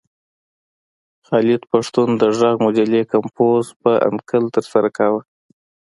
خالد پښتون د غږ مجلې کمپوز په انکل ترسره کاوه.